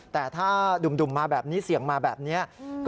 แต่ถ้าดุ่มมาแบบนี้เสี่ยงมาแบบนี้